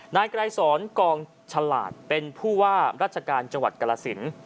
นายไกรสอนกองฉลาดเป็นผู้ว่าราชการจังหวัดกรสิน